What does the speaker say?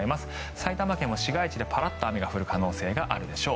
埼玉県も市街地でパラッと雨が降る可能性があるでしょう。